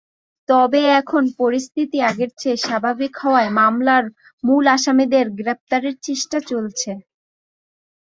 তবে এখন পরিস্থিতি আগের চেয়ে স্বাভাবিক হওয়ায় মামলার মূল আসামিদের গ্রেপ্তারের চেষ্টা চলছে।